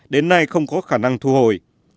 đến nay không có khả năng thu hồi